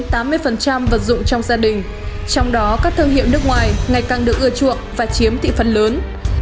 hiện nay thiết bị điện tử chiếm đến tám mươi vật dụng trong gia đình trong đó các thương hiệu nước ngoài ngày càng được ưa chuộng và chiếm thị phần lớn